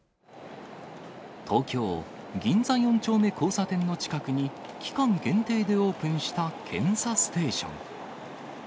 東京・銀座四丁目交差点近くに、期間限定でオープンした検査ステーション。